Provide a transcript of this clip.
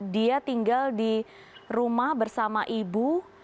dia tinggal di rumah bersama ibu